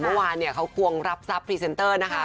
เมื่อวานเนี่ยเขาควงรับทรัพย์พรีเซนเตอร์นะคะ